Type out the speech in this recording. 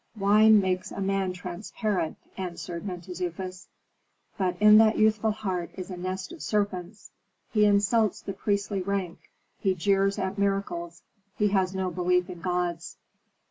"Wine makes a man transparent," answered Mentezufis. "But in that youthful heart is a nest of serpents. He insults the priestly rank, he jeers at miracles, he has no belief in gods."